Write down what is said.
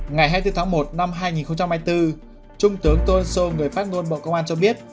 ngày hai mươi bốn tháng một năm hai nghìn hai mươi bốn trung tướng tô ân sô người phát ngôn bộ công an cho biết